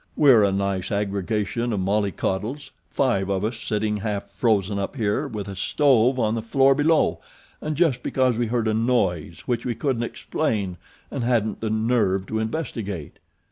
"We're a nice aggregation of mollycoddles five of us sitting half frozen up here with a stove on the floor below, and just because we heard a noise which we couldn't explain and hadn't the nerve to investigate."